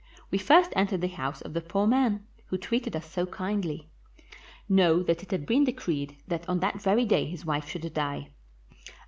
We first entered the house of the poor man, who treated us so kindly. Know that it had been decreed that on that very day his wife should die.